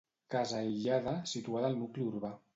Casa aïllada, situada al nucli urbà.